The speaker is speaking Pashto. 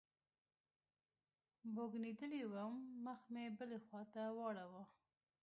بوږنېدلى وم مخ مې بلې خوا ته واړاوه.